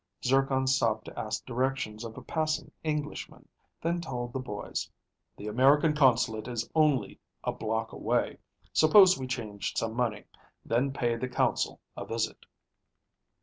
Zircon stopped to ask directions of a passing Englishman, then told the boys, "The American Consulate is only a block away. Suppose we change some money, then pay the consul a visit."